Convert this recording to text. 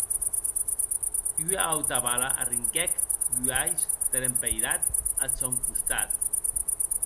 Ua auta bala arrinquèc bualhs der empeirat ath sòn costat.